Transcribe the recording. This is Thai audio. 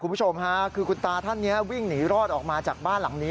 คุณผู้ชมค่ะคือคุณตาท่านนี้วิ่งหนีรอดออกมาจากบ้านหลังนี้